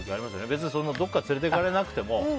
別にどこか連れていかれなくても。